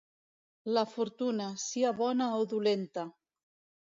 La fortuna, sia bona o dolenta.